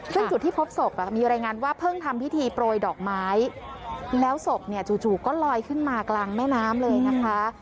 ซึ่งจุดที่พบศพมีรายงานว่าเพิ่งทำพิธีโปรยดอกไม้แล้วศพเนี่ยจู่ก็ลอยขึ้นมากลางแม่น้ำเลยนะคะ